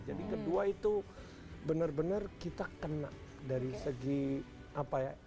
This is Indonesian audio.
jadi kedua itu benar benar kita kena dari segi apa ya